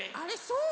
そう？